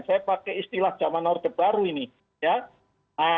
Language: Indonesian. saya pakai istilah zaman orde baru ini ya